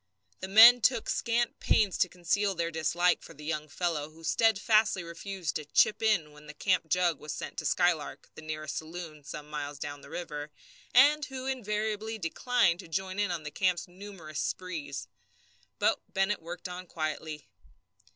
The men took scant pains to conceal their dislike for the young fellow who steadfastly refused to "chip in" when the camp jug was sent to the Skylark, the nearest saloon, some miles down the river, and who invariably declined to join in the camp's numerous sprees. But Bennett worked on quietly.